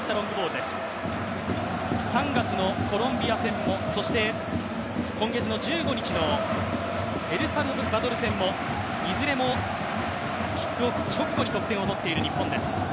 ３月のコロンビア戦も今月１５日のエルサルバドル戦も、いずれもキックオフ直後に得点を取っている日本です。